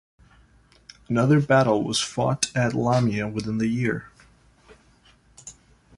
Another battle was fought at Lamia within the year.